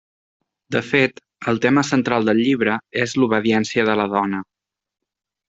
De fet, el tema central del llibre és l'obediència de la dona.